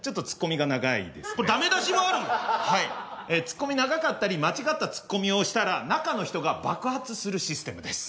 ツッコミ長かったり間違ったツッコミをしたら中の人が爆発するシステムです。